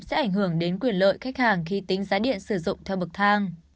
sẽ ảnh hưởng đến quyền lợi khách hàng khi tính giá điện sử dụng theo bậc thang